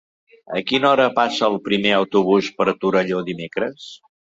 A quina hora passa el primer autobús per Torelló dimecres?